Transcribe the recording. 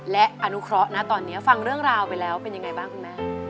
และอนุเคราะห์นะตอนนี้ฟังเรื่องราวไปแล้วเป็นยังไงบ้างคุณแม่